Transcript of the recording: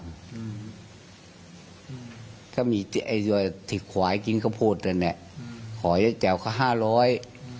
ถ้ามีที่ขวายกินกระโพดอันนี้ขอย้าแจ๋วค่ะห้าร้อย